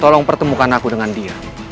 tolong pertemukan aku dengan dia